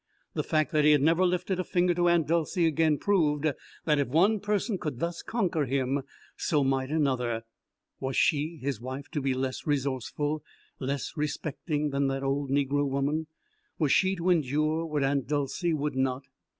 The fact that he had never lifted finger to Aunt Dolcey again proved that if one person could thus conquer him, so might another. Was she, his wife, to be less resourceful, less self respecting than that old Negro woman? Was she to endure what Aunt Dolcey would not?